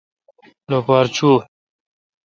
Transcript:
لوپار چوں